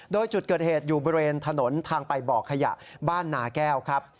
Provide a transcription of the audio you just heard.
โดยจุดเกิดเหตุอยู่บริเวณถนนทางไปบ่อขยะบ้านนาแก้วครับ